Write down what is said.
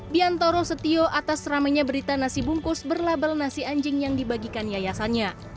biantoro setio atas ramainya berita nasi bungkus berlabel nasi anjing yang dibagikan yayasannya